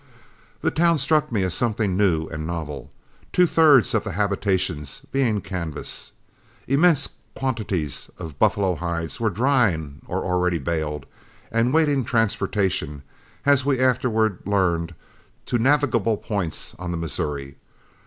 The town struck me as something new and novel, two thirds of the habitations being of canvas. Immense quantities of buffalo hides were drying or already baled, and waiting transportation as we afterward learned to navigable points on the Missouri.